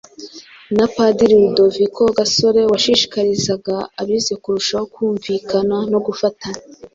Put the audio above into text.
na Padri Rudoviko Gasore washishikarizaga abize kurushaho kumvikana no gufatanya,